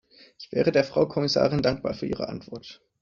Ich wäre der Frau Kommissarin dankbar für ihre Antwort.